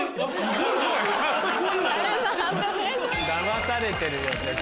だまされてるよ絶対。